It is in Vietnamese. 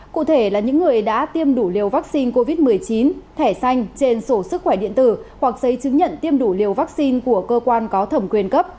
cụ thể là những người đã tiêm đủ liều vaccine covid một mươi chín thẻ xanh trên sổ sức khỏe điện tử hoặc giấy chứng nhận tiêm đủ liều vaccine của cơ quan có thẩm quyền cấp